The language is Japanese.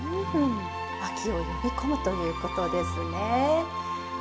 秋を呼び込むということですね。